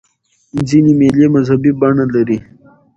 ځیني مېلې مذهبي بڼه لري.